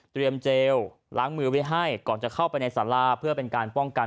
เจลล้างมือไว้ให้ก่อนจะเข้าไปในสาราเพื่อเป็นการป้องกัน